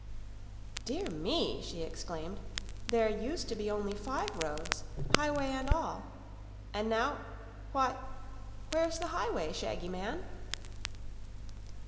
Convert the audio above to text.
"Dear me!" she exclaimed. "There used to be only five roads, highway and all. And now why, where's the highway, Shaggy Man?"